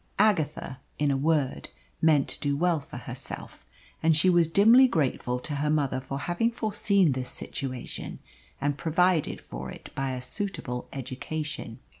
Agatha, in a word, meant to do well for herself, and she was dimly grateful to her mother for having foreseen this situation and provided for it by a suitable education.